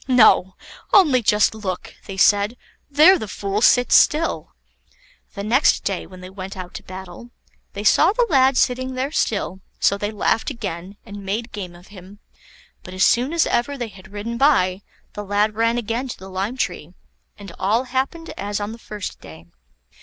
"No! only just look," they said; "there the fool sits still." The next day when they went out to battle, they saw the lad sitting there still, so they laughed again, and made game of him; but as soon as ever they had ridden by, the lad ran again to the lime tree, and all happened as on the first day.